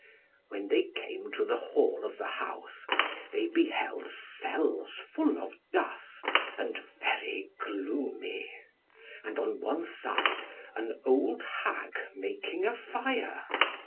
When they came to the hall of the house, they beheld cells full of dust, and very gloomy, and on one side an old hag making a fire.